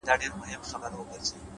صبر د لویو بریاوو قیمت دی’